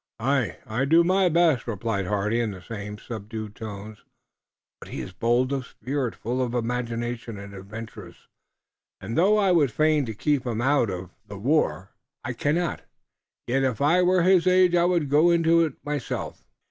"Aye, I do my best," replied Hardy in the same subdued tones, "but he is bold of spirit, full of imagination and adventurous, and, though I would fain keep him out of the war, I cannot. Yet if I were his age I would go into it myself."